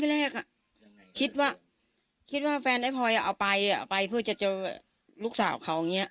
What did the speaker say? ปลาจะมาตอนไหนเขาชอบพูดอย่างเงี้ยครับ